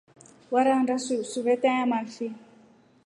Warandwa suveta yamafi?